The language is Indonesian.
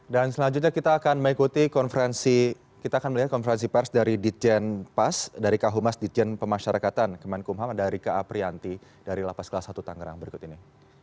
dan selanjutnya kita akan mengikuti konferensi kita akan melihat konferensi pers dari dijen pas dari kahumas dijen pemasyarakatan kemenkumhaman dari ka prianti dari lapas kelas satu tangerang berikut ini